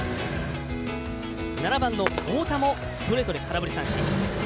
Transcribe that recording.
７番の太田もストレートで空振り三振。